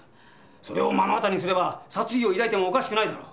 それを目の当たりにすれば殺意を抱いてもおかしくないだろう。